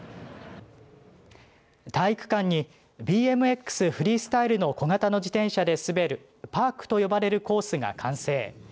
体育館にＢＭＸのフリースタイルの小型の自転車で滑るパークと呼ばれるコースが完成。